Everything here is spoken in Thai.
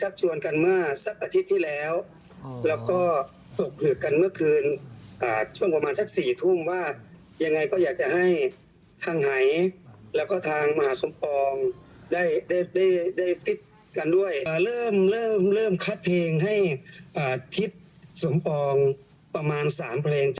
เพลงให้ทิศสมปองประมาณ๓เพลง